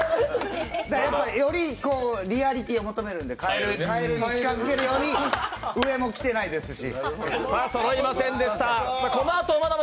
よりリアリティーを求めるんで、かえるに近づけるように上も着てないですし。